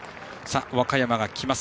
和歌山が来ます。